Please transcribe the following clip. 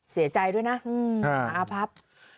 ซีกใจด้วยนะเอาพับ